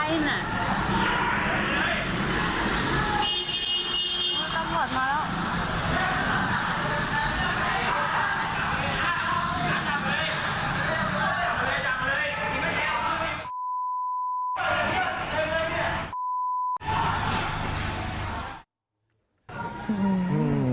แบบนี้แบบนี้แบบนี้